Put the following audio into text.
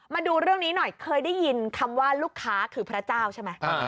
มาดูเรื่องนี้หน่อยเคยได้ยินคำว่าลูกค้าคือพระเจ้าใช่ไหม